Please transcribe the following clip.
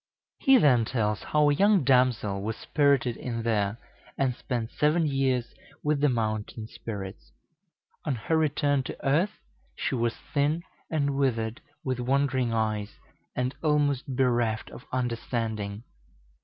He then tells how a young damsel was spirited in there, and spent seven years with the mountain spirits. On her return to earth she was thin and withered, with wandering eyes, and almost bereft of understanding.